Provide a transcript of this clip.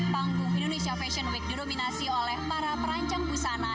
panggung indonesia fashion week didominasi oleh para perancang busana